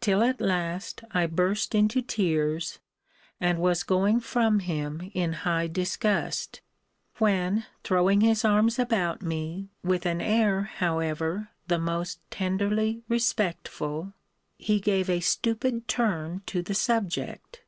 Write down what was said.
till at last I burst into tears, and was going from him in high disgust: when, throwing his arms about me, with an air, however, the most tenderly respectful, he gave a stupid turn to the subject.